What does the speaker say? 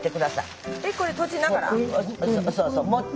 そうそう持って。